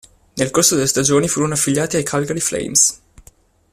Nel corso delle stagioni furono affiliati ai Calgary Flames.